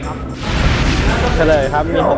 ก็ไม่อยู่เหรอนะครับมี๖ขาครับ